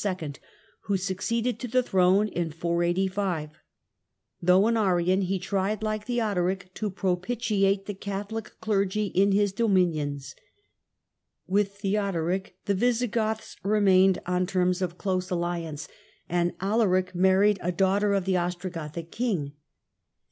who succeeded to the throne in 485. Though an Arian, he tried, like Theo doric, to propitiate the Catholic clergy in his dominions. With Theodoric the Visigoths remained on terms of THE GOTHIC KINGDOM IN ITALY 29 ose alliance, and Alaric married a daughter of the strogothic king.